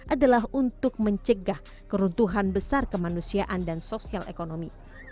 adalah untuk mencegah keruntuhan besar kemanusiaan dan sosial ekonomi